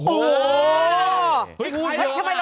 โอ้โห